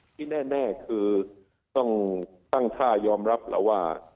ที่แน่คือต้องตั้งท่ายอมรับแล้วว่า